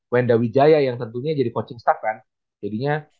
wenda wijaya yang tentunya jadi coaching staff kan jadinya